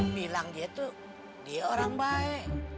bilang dia tuh dia orang baik